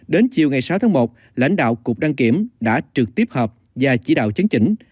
đến chiều ngày sáu tháng một lãnh đạo cục đăng kiểm đã trực tiếp họp và chỉ đạo chấn chỉnh